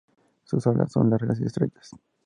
Sus alas son largas y estrechas.